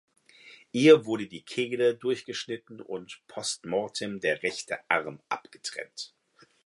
Ihr wurde die Kehle durchgeschnitten und post mortem der rechte Arm abgetrennt.